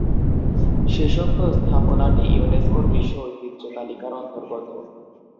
শেষোক্ত স্থাপনাটি ইউনেস্কোর বিশ্ব ঐতিহ্য তালিকার অন্তর্গত।